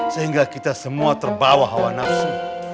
sehingga kita semua terbawa hawa nafsu